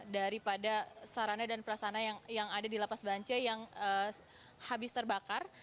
daripada sarana dan prasana yang ada di lapas bancai yang habis terbakar